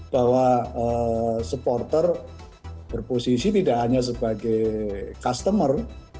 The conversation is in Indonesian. bahwa supporter berposisi tidak hanya sebagai customer